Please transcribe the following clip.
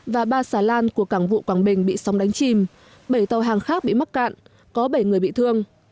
và ba xà lan của cảng vụ quảng bình bị sóng đánh chìm bảy tàu hàng khác bị mắc cạn có bảy người bị thương